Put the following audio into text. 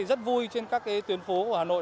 rất vui trên các tuyến phố của hà nội